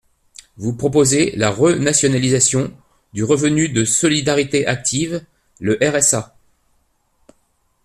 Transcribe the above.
Vous proposez la renationalisation du revenu de solidarité active, le RSA.